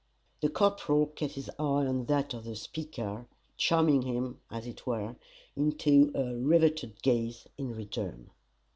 The corporal kept his eye on that of the speaker, charming him, as it were, into a riveted gaze, in return.